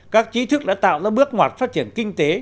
các trí thức đã tạo ra bước ngoặt phát triển kinh tế